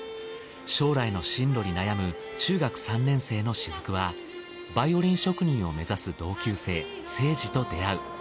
将来の進路に悩む中学３年生の雫はバイオリン職人を目指す同級生聖司と出会う。